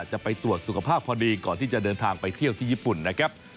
จะไปตรวจสุขภาพพอดีก่อนที่จะเดินทางไปเที่ยวที่ญี่ปุ่นนะครับ